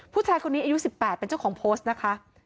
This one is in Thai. ผู้ชายคนนี้อายุ๑๘เป็นเจ้าของโพสต์นะคะ